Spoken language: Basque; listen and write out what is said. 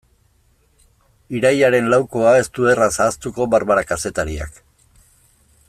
Irailaren laukoa ez du erraz ahaztuko Barbara kazetariak.